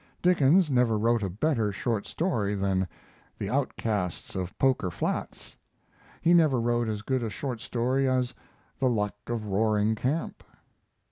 Dickens never wrote a better short story than "The Outcasts of Poker Flats." He never wrote as good a short story as "The Luck of Roaring Camp."